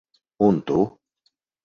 Un tu?